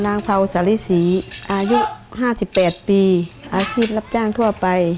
เผาสาริศรีอายุ๕๘ปีอาชีพรับจ้างทั่วไป